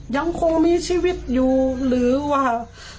ยังคงมีชีวิตอยู่หรือว่า